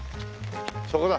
そこだ。